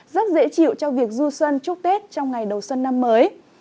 rất dễ chịu cho việc du xuân chúc tết trong ngày đầu xuân năm mới